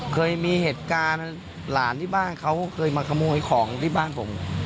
เคยมีเหตุการณ์หลานที่บ้านเขาเคยมาขโมยของที่บ้านผม